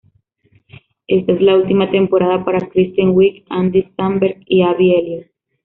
Esta es la última temporada para Kristen Wiig, Andy Samberg y Abby Elliott.